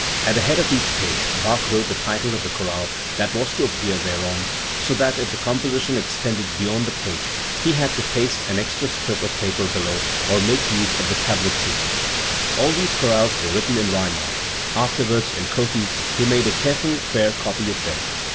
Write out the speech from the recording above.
At the head of each page Bach wrote the title of the chorale that was to appear thereon, so that if the composition extended beyond the page he had to paste an extra strip of paper below, or make use of the tablature. All these chorales were written in Weimar. Afterwards, in Cothen, he made a careful fail copy oi them.